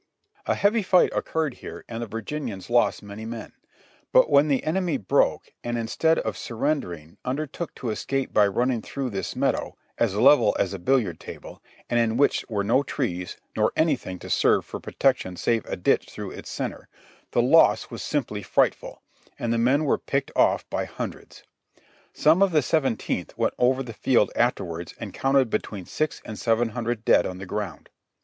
A heavy fight occurred HOT TIMES AROUND RICHMOND I75 here and the Virginians lost many men; but when the enemy broke, and instead of surrendering undertook to escape by run ning through this meadow, as level as a billiard table, and in which were no trees nor anything to serve for protection save a ditch through its center, the loss was simply frightful, and the men were picked off by hundreds. Some of the Seventeenth went over the field afterwards and counted between six and seven hun dred dead on the ground.